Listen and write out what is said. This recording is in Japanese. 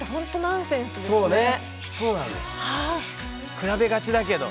比べがちだけど。